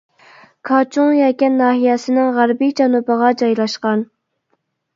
كاچۇڭ يەكەن ناھىيەسىنىڭ غەربىي جەنۇبىغا جايلاشقان.